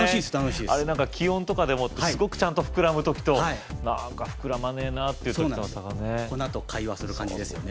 あれなんか気温とかでもすごくちゃんと膨らむ時となんか膨らまねぇなっていう時との差がね粉と会話する感じですよね